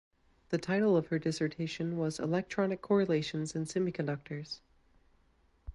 The title of her dissertation was "Electronic correlations in semiconductors".